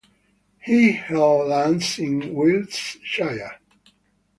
He held lands in Wiltshire.